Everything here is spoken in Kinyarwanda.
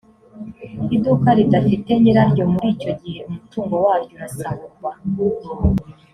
iduka ridafite nyiraryo muri icyo gihe umutungo waryo urasahurwa